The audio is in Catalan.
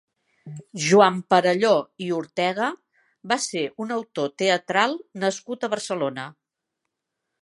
Joan Perelló i Ortega va ser un autor teatral nascut a Barcelona.